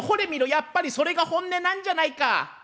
やっぱりそれが本音なんじゃないか！」。